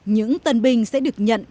những tân binh sẽ được nhận